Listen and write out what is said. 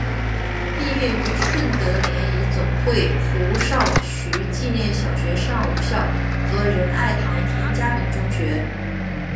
毕业于顺德联谊总会胡少渠纪念小学上午校和仁爱堂田家炳中学。